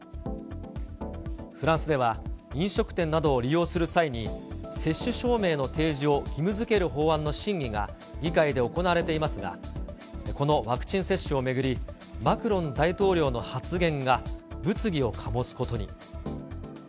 フランスでは、飲食店などを利用する際に、接種証明の提示を義務づける法案の審議が議会で行われていますが、このワクチン接種を巡り、マクロン大統領の発言が物議をかもすことに。